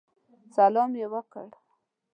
سلام یې وکړ.